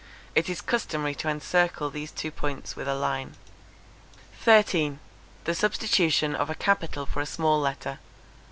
It is customary to encircle these two points with a line. 13. The substitution of a capital for a small letter.